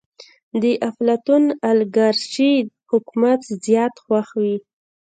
د افلاطون اليګارشي حکومت زيات خوښ وي.